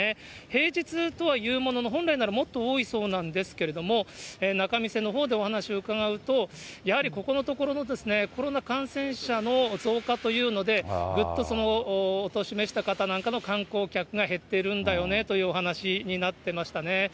平日とはいうものの、本来ならもっと多いそうなんですけれども、仲見世のほうでお話を伺うと、やはりここのところのコロナ感染者の増加というので、ぐっと、お年を召した方なんかの観光客が減ってるんだよねというお話しになってましたね。